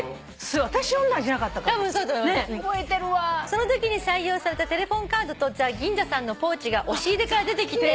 「そのときに採用されたテレホンカードとＴＨＥＧＩＮＺＡさんのポーチが押し入れが出てきて」